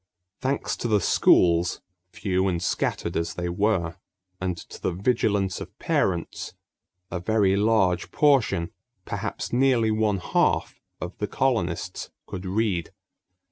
Thanks to the schools, few and scattered as they were, and to the vigilance of parents, a very large portion, perhaps nearly one half, of the colonists could read.